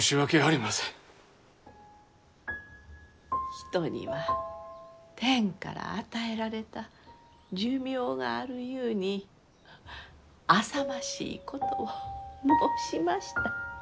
人には天から与えられた寿命があるゆうにあさましいことを申しました。